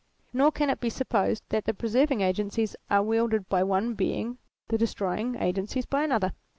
Nor can it be supposed that the preserving agencies are wielded by one Being, the destroying agencies by another.